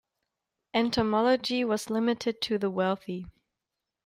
Entomology was limited to the wealthy.